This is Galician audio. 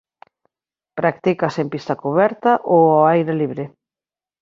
Practícase en pista cuberta ou ao aire libre.